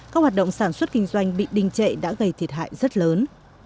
các hoạt động sản xuất kinh doanh bị đình trệ đã gây thiệt hại rất lớn